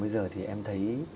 bây giờ thì em thấy